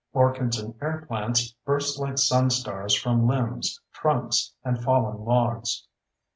Orchids and air plants burst like sun stars from limbs, trunks, and fallen logs.